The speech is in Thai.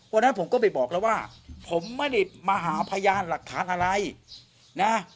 วันนั้นผมก็ไปบอกแล้วว่าผมไม่ได้มาหาพยานหลักฐานอะไรนะ